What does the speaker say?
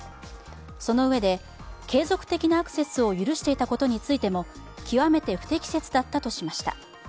そのうえで継続的なアクセスを許していたことについても極めて不適切だったとしました。